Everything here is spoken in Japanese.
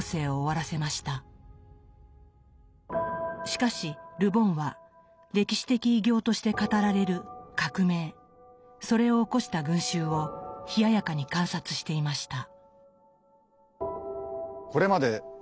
しかしル・ボンは「歴史的偉業」として語られる革命それを起こした群衆を冷ややかに観察していました。